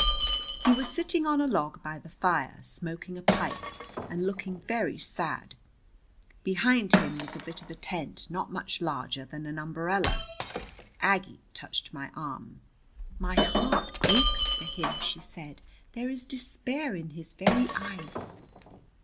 He was sitting on a log by the fire, smoking a pipe and looking very sad. Behind him was a bit of a tent not much larger than an umbrella. Aggie touched my arm. "My heart aches for him," she said. "There is despair in his very eyes."